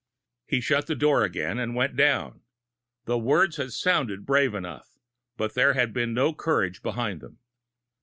He shut the door again, and went down. The words had sounded brave enough, but there had been no courage behind them.